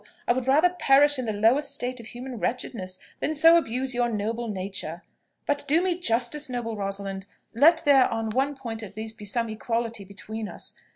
I would rather perish in the lowest state of human wretchedness than so abuse your noble nature. But do me justice, noble Rosalind; let there on one point at least be some equality between us.